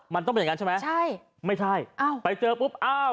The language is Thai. มันต้องเป็นอย่างนั้นใช่ไหมใช่ไม่ใช่อ้าวไปเจอปุ๊บอ้าว